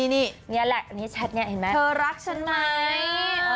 นี่แหละแชทนี้เห็นไหมเธอรักฉันไหม